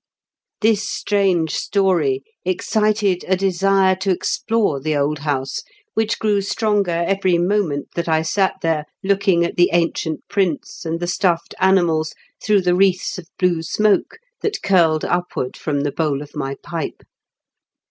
This steange story excited a desire to explore the old house which grew stronger every moment that I sat there, looking at the ancient prints and the stuffed animals through the wreaths of blue smoke that curled upward from the bowl of my pipe.